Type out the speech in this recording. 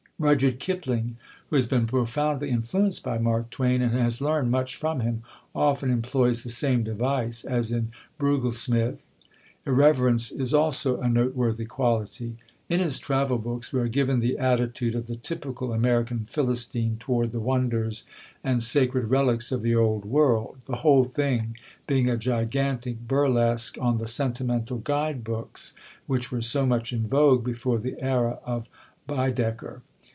Rudyard Kipling, who has been profoundly influenced by Mark Twain, and has learned much from him, often employs the same device, as in Brugglesmith. Irreverence is also a noteworthy quality. In his travel books, we are given the attitude of the typical American Philistine toward the wonders and sacred relics of the Old World, the whole thing being a gigantic burlesque on the sentimental guide books which were so much in vogue before the era of Baedeker.